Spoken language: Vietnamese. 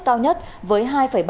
cao nhất với hai ba mươi sáu